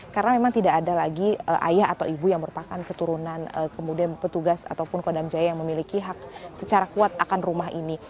karena memang tidak ada lagi ayah atau ibu yang merupakan keturunan kemudian petugas ataupun kodam jaya yang memiliki hak secara kuat akan rumah ini